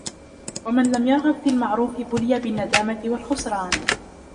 وَمِنْ لَمْ يَرْغَبْ فِي الْمَعْرُوفِ بُلِيَ بِالنَّدَامَةِ وَالْخُسْرَانِ